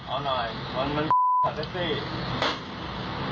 เอาหน่อยมันถาดเซสซี่